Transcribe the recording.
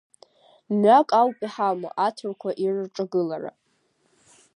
Мҩак ауп иҳамоу, аҭырқәа ир рҿагылара.